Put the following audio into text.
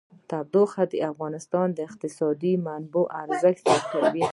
تودوخه د افغانستان د اقتصادي منابعو ارزښت زیاتوي.